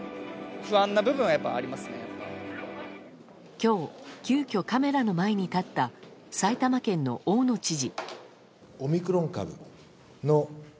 今日、急きょカメラの前に立った埼玉県の大野知事。